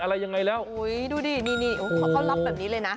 อะไรยังไงแล้วอุ้ยดูดินี่นี่เขารับแบบนี้เลยนะ